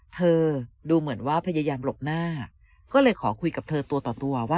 เธอดูเหมือนว่าพยายามหลบหน้าก็เลยขอคุยกับเธอตัวต่อตัวว่า